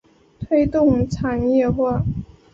推动产业化